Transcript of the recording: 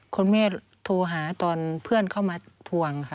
คุณแม่โทรหาตอนเพื่อนเข้ามาทวงค่ะ